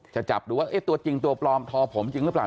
จะจับดูว่าตัวจริงตัวปลอมทอผมจริงหรือเปล่า